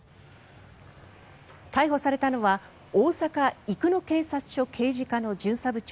逮捕されたのは大阪・生野警察署刑事課の巡査部長